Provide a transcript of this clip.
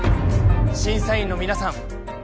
審査員の皆さん